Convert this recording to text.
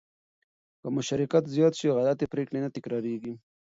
که مشارکت زیات شي، غلطې پرېکړې نه تکرارېږي.